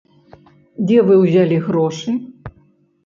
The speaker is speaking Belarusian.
Дзе вы ўзялі грошы?